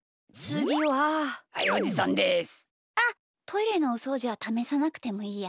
あっトイレのおそうじはためさなくてもいいや。